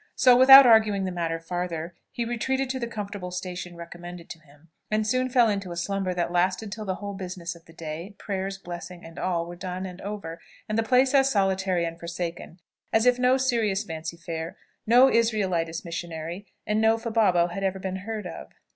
So, without arguing the matter farther, he retreated to the comfortable station recommended to him, and soon fell into a slumber that lasted till the whole business of the day, prayers, blessing, and all, were done and over, and the place as solitary and forsaken as if no Serious Fancy Fair, no Israelitish missionary, and no Fababo had ever been heard of.